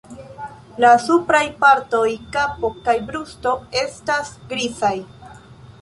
La supraj partoj, kapo kaj brusto estas grizaj.